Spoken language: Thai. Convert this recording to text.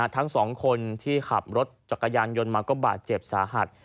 ทั้งสองคนที่ขับรถจักรยานยนต์มาก็บาดเจ็บสาหัส